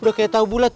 udah kayak tau bulet